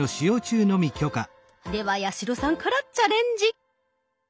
では八代さんからチャレンジ。